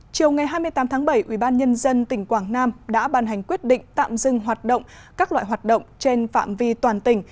chiều ngày hai mươi tám tháng bảy ubnd tỉnh quảng nam đã ban hành quyết định tạm dừng hoạt động các loại hoạt động trên phạm vi toàn tỉnh